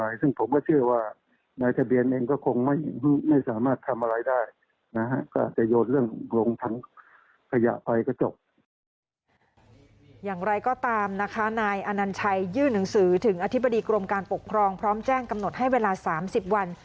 ยื่นถึงสื่อถึงอธิบดีกรมการปกครองพร้อมแจ้งกำหนดให้เวลา๓๐วัน